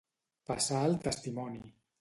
Passar el testimoni.